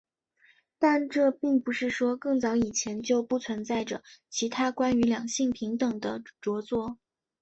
但这并不是说更早以前就不存在着其他关于两性平等的着作。